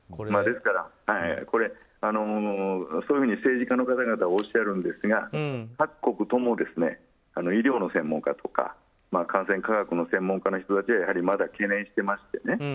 ですから、そういうふうに政治家の方たちはおっしゃっているんですが各国とも医療の専門家とか感染科学の専門家がやはりまだ懸念してましてね